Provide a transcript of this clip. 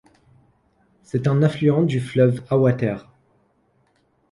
C'est un affluent du fleuve Awatere.